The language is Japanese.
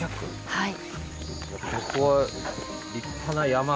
はい。